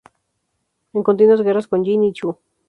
En continuas guerras con Jin y Chu.